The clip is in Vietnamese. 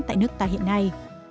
tại nước ta hiện nay